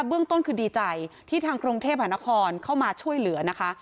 เบื้องต้นคือดีใจที่ทางกรุงเทพหานครเข้ามาช่วยเหลือนะคะ